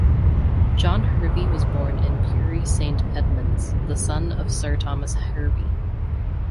John Hervey was born in Bury Saint Edmunds, the son of Sir Thomas Hervey.